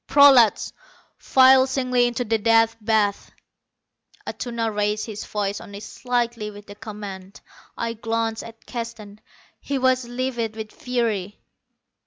"Prolats, file singly into the Death Bath!" Atuna raised his voice only slightly with the command. I glanced at Keston. He was livid with fury.